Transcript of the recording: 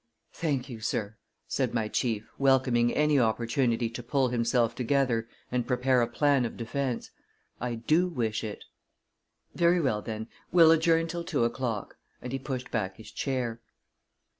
"Thank you, sir," said my chief, welcoming any opportunity to pull himself together and prepare a plan of defense. "I do wish it." "Very well, then; we'll adjourn till two o'clock," and he pushed back his chair.